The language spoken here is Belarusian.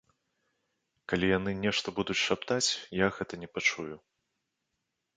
Калі яны нешта будуць шаптаць, я гэта не пачую.